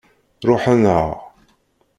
Ṛuḥen-aɣ.